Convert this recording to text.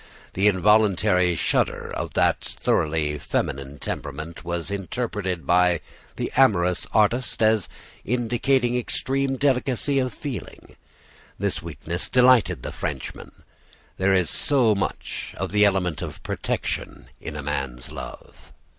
The involuntary shudder of that thoroughly feminine temperament was interpreted by the amorous artist as indicating extreme delicacy of feeling. This weakness delighted the Frenchman. There is so much of the element of protection in a man's love!